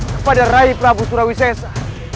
kepada rai prabu surawi sesa